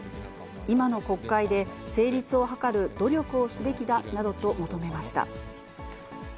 今の国会で成立を図る努力をすべきだなどと求めました。